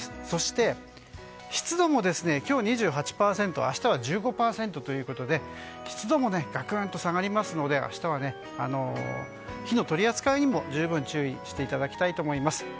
そして、湿度も今日２８％明日は１５％ということで湿度も、がくんと下がりますので明日は火の取り扱いにも十分注意していただきたいと思います。